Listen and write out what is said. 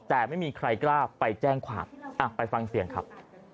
แต่ไม่มีใครกล้าไปแจ้งความไปฟังเสียงครับ